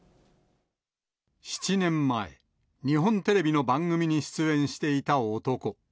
７年前、日本テレビの番組に出演していた男。